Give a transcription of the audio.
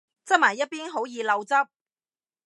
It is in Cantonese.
側埋一邊好易漏汁